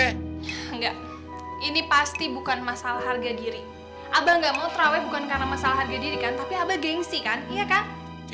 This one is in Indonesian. enggak ini pasti bukan masalah harga diri abah gak mau terawih bukan karena masalah harga diri kan tapi abah gengsi kan iya kan